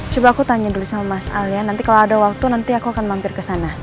coba aku tanya dulu sama mas alian nanti kalau ada waktu nanti aku akan mampir ke sana